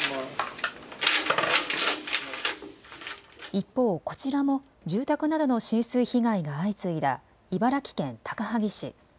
一方、こちらも住宅などの浸水被害が相次いだ茨城県高萩市。